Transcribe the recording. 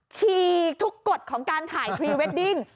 ฉีกทุกกฎของการถ่ายพรีเวดดิ้ง